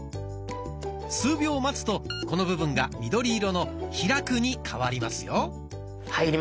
数秒待つとこの部分が緑色の「開く」に変わりますよ。